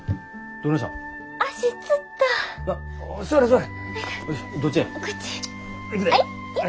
どっちや。